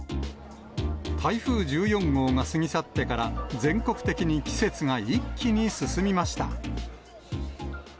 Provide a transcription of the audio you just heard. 台風１４号が過ぎ去ってから全国的に季節が一気に進みました。